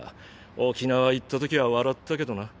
沖縄行ったときは笑ったけどな。